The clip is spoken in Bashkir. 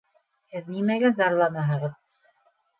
Һеҙ нимәгә зарланаһығыҙ?